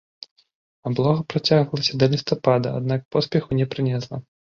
Аблога працягвалася да лістапада, аднак поспеху не прынесла.